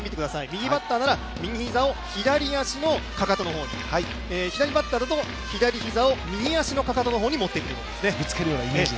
右バッターなら右膝を左足のかかとの方に、左バッターだと左膝を右足のかかとに方に持っていくイメージ。